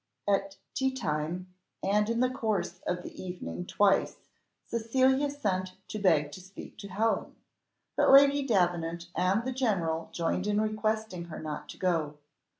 At tea time, and in the course of the evening twice, Cecilia sent to beg to speak to Helen; but Lady Davenant and the general joined in requesting her not to go.